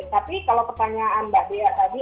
tapi kalau pertanyaan mbak dea tadi